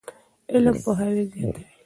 علم پوهاوی زیاتوي.